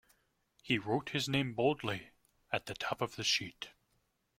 He wrote his name boldly at the top of the sheet.